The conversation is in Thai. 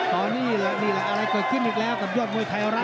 ตอนนี้แหละนี่แหละอะไรเกิดขึ้นอีกแล้วกับยอดมวยไทยรัฐ